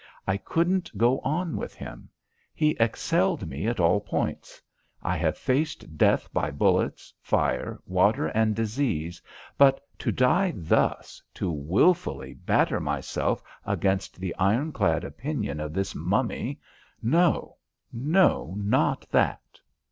I couldn't go on with him. He excelled me at all points. I have faced death by bullets, fire, water, and disease, but to die thus to wilfully batter myself against the ironclad opinion of this mummy no, no, not that.